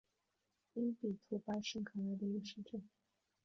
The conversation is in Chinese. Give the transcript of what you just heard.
因比图巴是巴西圣卡塔琳娜州的一个市镇。